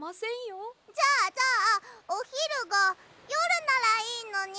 じゃあじゃあおひるがよるならいいのに！